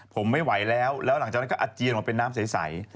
ผมไม่ไหวแล้วแล้วหลังจากนั้นก็อาเจียนมาเป็นน้ำใส